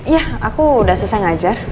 ya aku udah susah ngajar